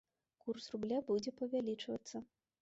Курс рубля будзе павялічвацца.